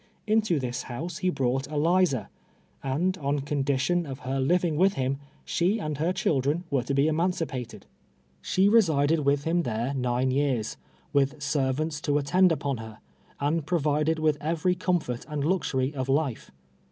Into this house he brought Eliza ; and, on condition of her living with him, she and her children were to be emancipated. She resided M'itli him there nine years, M'ith servants to attend npon her, and provided with every comfort and luxury of life.